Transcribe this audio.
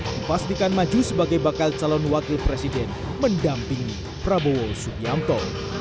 dipastikan maju sebagai bakal calon wakil presiden mendampingi prabowo subianto